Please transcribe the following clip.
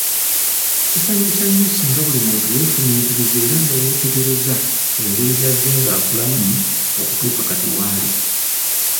Kisanyusa nnyo singa buli muntu yeefumiitiriza era ne yeetegereza engeri gy'azze ng'akulamu okutuuka kati waali !